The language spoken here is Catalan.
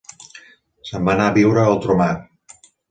Se'n va anar a viure a ultramar.